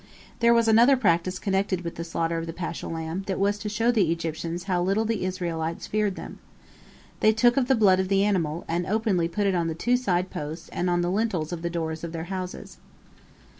There was another practice connected with the slaughter of the paschal lamb that was to show the Egyptians how little the Israelites feared them. They took of the blood of the animal, and openly put it on the two side posts and on the lintel of the doors of their houses.